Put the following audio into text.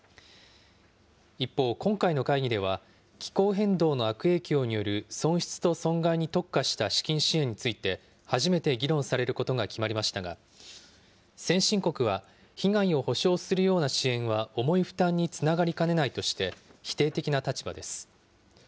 一方、今回の会議では気候変動の悪影響による損失と損害に特化した資金支援について、初めて議論されることが決まりましたが、先進国は被害を補償するような支援は重い負担につながりかねないとして、否定的な立場です。